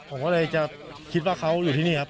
ผมก็เลยจะคิดว่าเขาอยู่ที่นี่ครับ